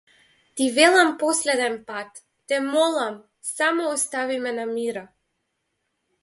Ти велам последен пат, те молам, само остави ме на мира.